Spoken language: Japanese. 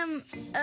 あ。